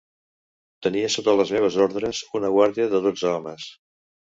Tenia sota les meves ordres una guàrdia de dotze homes.